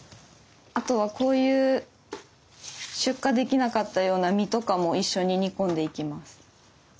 あとはこういう出荷できなかったような実とかも一緒に煮込んでいきます。